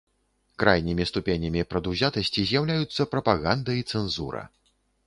Крайнімі ступенямі прадузятасці з'яўляюцца прапаганда і цэнзура.